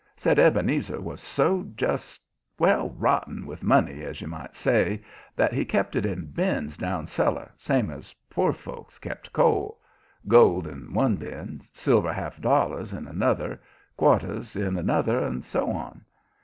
Said Ebenezer was so just well, rotten with money, as you might say, that he kept it in bins down cellar, same as poor folks kept coal gold in one bin, silver half dollars in another, quarters in another, and so on.